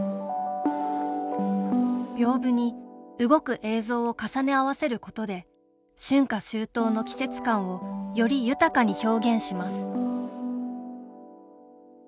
屏風に動く映像を重ね合わせることで春夏秋冬の季節感をより豊かに表現します